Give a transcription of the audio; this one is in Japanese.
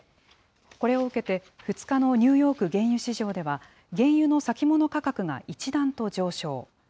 これを受けて、２日のニューヨーク原油市場では、原油の先物価格が一段と上昇。